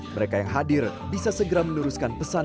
mereka yang hadir bisa segera meluruskan pesan